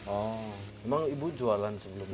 oh emang ibu jualan sebelumnya